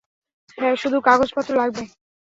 হ্যাঁ, শুধু কাগজপত্র লাগবে।